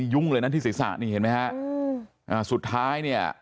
ยุ่งเลยนั่นที่ศีรษะนี่เห็นไหมฮะสุดท้ายเนี่ย